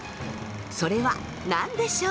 それは何でしょうか？